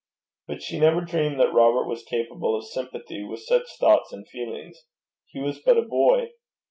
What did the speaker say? But she never dreamed that Robert was capable of sympathy with such thoughts and feelings: he was but a boy.